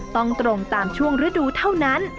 ตรงตามช่วงฤดูเท่านั้น